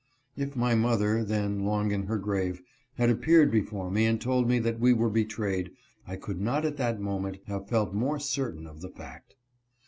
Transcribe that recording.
If my mother — then long in her grave — had appeared before me and told me that we were betrayed, I could not at that mo ment have felt more certain of the fact.